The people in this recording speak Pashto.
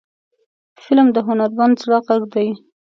فلم د هنرمند زړه غږ دی